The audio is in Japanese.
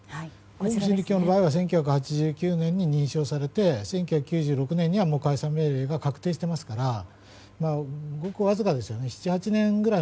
オウム真理教の場合は１９８９年に認証されて１９９４年には解散命令が確定していますからごくわずかですよね。